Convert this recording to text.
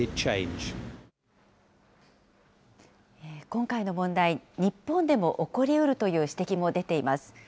今回の問題、日本でも起こりうるという指摘も出ています。